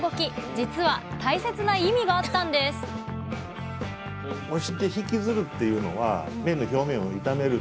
実は大切な意味があったんですすごい！